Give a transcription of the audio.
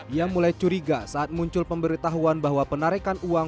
ia mulai curiga saat muncul pemberitahuan bahwa penarikan uang